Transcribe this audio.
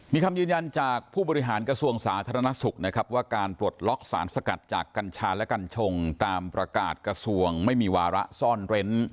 มีคำยืนยันจากผู้บริหารกระทรวงสาธารณสุขนะครับว่าการปลดล็อกสารสกัดจากกัญชาและกัญชงตามประกาศกระทรวงไม่มีวาระซ่อนเร้น